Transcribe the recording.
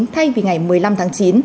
thay vì ngày một mươi năm tháng chín